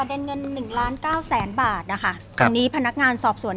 ประเด็นเงิน๑๙๐๐๐๐๐บาทที่นี้พนักงานสอบส่วน